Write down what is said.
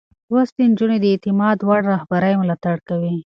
لوستې نجونې د اعتماد وړ رهبرۍ ملاتړ کوي.